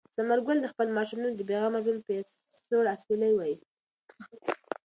ثمر ګل د خپل ماشومتوب د بې غمه ژوند په یاد سوړ اسویلی وایست.